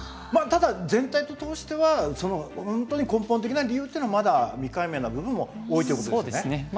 ただ全体を通しては本当に根本的な理由というのはまだ未解明な部分も多いということですね。